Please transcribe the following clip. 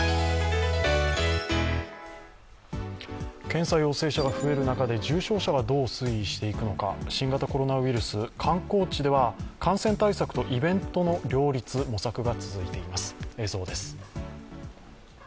検査陽性者が増える中で重症者がどう推移していくのか、新型コロナウイルス、観光地では感染対策とイベントの両立、模索が続いています。